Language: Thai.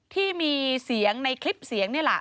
ที่มีเสียงในคลิปเสียงนี่แหละ